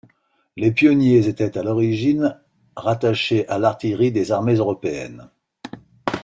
Les pionniers étaient à l'origine rattachés à l'artillerie des armées européennes.